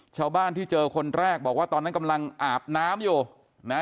ชาวบ้านที่เจอคนแรกบอกว่าตอนนั้นกำลังอาบน้ำอยู่นะ